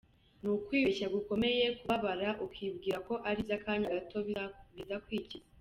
Ni ukwibeshya gukomeye kubabara ukibwira ko ari aby’akanya gato bizakwikiza.